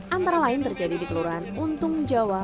antara lain terjadi di kelurahan untung jawa